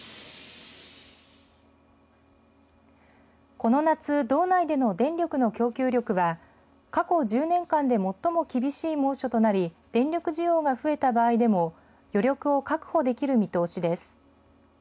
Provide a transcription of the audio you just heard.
この夏、道内での電力の供給力は過去１０年間で最も厳しい猛暑となり電力需要が増えた場合でも余力を確保できる見通しです。